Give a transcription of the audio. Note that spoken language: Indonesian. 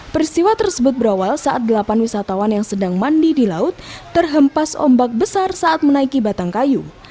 peristiwa tersebut berawal saat delapan wisatawan yang sedang mandi di laut terhempas ombak besar saat menaiki batang kayu